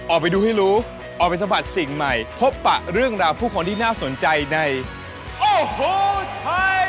ออกไปดูให้รู้ออกไปสะบัดสิ่งใหม่พบปะเรื่องราวผู้คนที่น่าสนใจในโอ้โหไทย